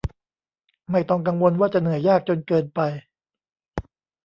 ไม่ต้องกังวลว่าจะเหนื่อยยากจนเกินไป